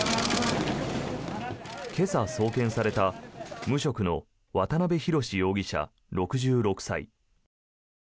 今朝、送検された無職の渡辺宏容疑者、６６歳。